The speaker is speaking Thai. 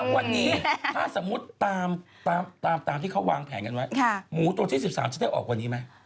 วันนี้ถ้าสมมุติตามที่เขาวางแผนกันไว้หมูตัวที่๑๓จะได้ออกวันนี้ไหม